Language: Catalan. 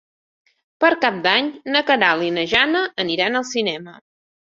Per Cap d'Any na Queralt i na Jana aniran al cinema.